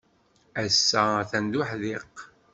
Ass-a, atan d uḥdiq.